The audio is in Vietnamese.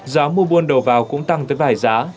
giá mua buôn đầu vào cũng tăng tới vài giá